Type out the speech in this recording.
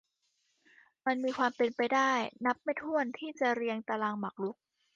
มันมีความเป็นไปได้นับไม่ถ้วนที่จะเรียงตารางหมากรุก